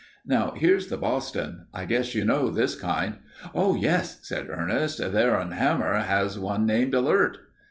"Now here's the Boston. I guess you know this kind." "Oh, yes," said Ernest. "Theron Hammond has one named Alert."